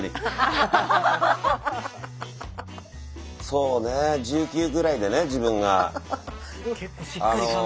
そうね１９ぐらいでね自分が。